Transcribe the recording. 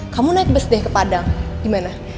kamu naik bus deh ke padang gimana